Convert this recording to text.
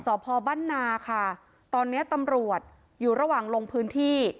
สอบพอบ้านนาค่ะตอนเนี้ยตำรวจอยู่ระหว่างลงพื้นที่